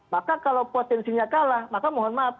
maka kalau potensinya kalah maka mohon maaf